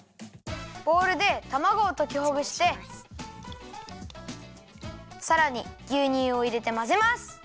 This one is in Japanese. ボウルでたまごをときほぐしてさらにぎゅうにゅうをいれてまぜます。